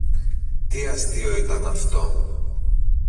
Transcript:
Τι αστείο ήταν αυτό